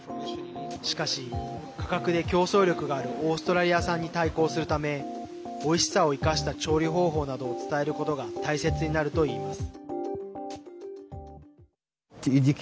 しかし、価格で競争力があるオーストラリア産に対抗するためおいしさを生かした調理方法などを伝えることが大切になるといいます。